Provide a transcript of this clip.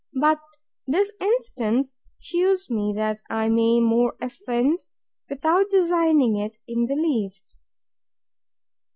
But this instance shews me, that I may much offend, without designing it in the least.